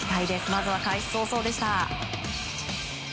まずは開始早々でした。